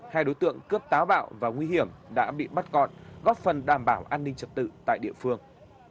hai đối tượng cướp táo bạo và nguy hiểm đã bị bắt gọn góp phần đảm bảo an ninh trật tự tại địa phương